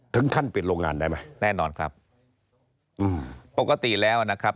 ถึงขั้นปิดโรงงานได้ไหมครับไม่น่าแน่นอนครับปกติแล้วนะครับ